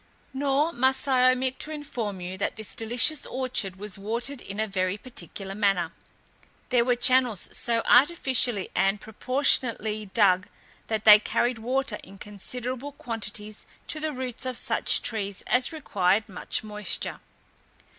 Nor must I omit to inform you, that this delicious orchard was watered in a very particular manner. There were channels so artificially and proportionately dug, that they carried water in considerable quantities to the roots of such trees as required much moisture.